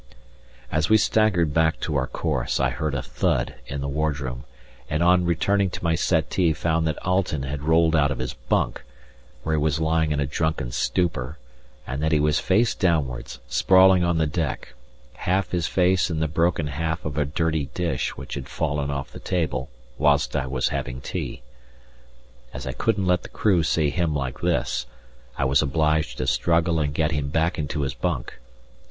As we staggered back to our course I heard a thud in the wardroom, and on returning to my settee found that Alten had rolled out of his bunk, where he was lying in a drunken stupor, and that he was face downwards, sprawling on the deck, half his face in the broken half of a dirty dish which had fallen off the table whilst I was having tea. As I couldn't let the crew see him like this, I was obliged to struggle and get him back into his bunk.